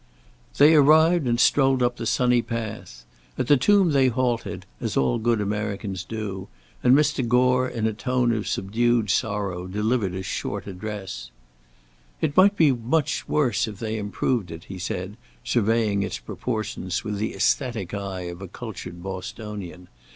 They arrived and strolled up the sunny path. At the tomb they halted, as all good Americans do, and Mr. Gore, in a tone of subdued sorrow, delivered a short address "It might be much worse if they improved it," he said, surveying its proportions with the æsthetic eye of a cultured Bostonian.